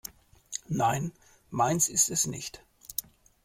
Nein, meins ist es nicht.